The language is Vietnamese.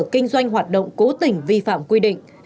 kinh doanh hoạt động cố tình vi phạm quy định